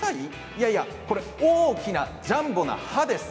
いえいえ大きなジャンボな歯です。